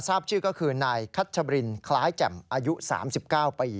ทราบชื่อก็คือนายคัชรินคล้ายแจ่มอายุ๓๙ปี